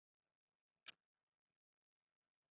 他还担任浙江大学台州研究院院长。